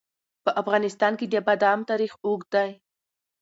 په افغانستان کې د بادام تاریخ اوږد دی.